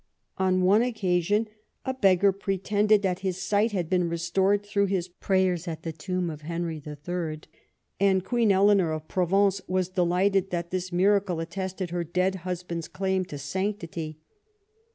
On one occasion a beggar pretended that his sight had been restored through his prayers at the tomb of Henry HI., and Queen Eleanor of Provence was delighted that this miracle attested her dead husband's claim to sanctity.